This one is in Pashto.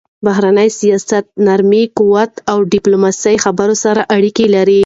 د بهرني سیاست نرم قوت له ډیپلوماسی سره تړاو لري.